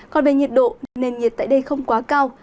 còn về nhiệt độ nền nhiệt tại đây không quá cao